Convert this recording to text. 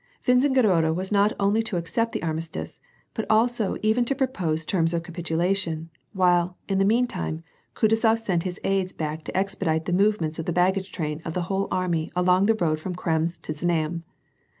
Winzengerode was not only to accept the armistice, but also even to propose terms of capitulation, while, in the meantime, Kutuzof sent his aides back to expedite the movements of the baggage train of the whole army along the road from Krems to Znaim.